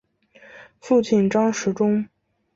父亲张时中。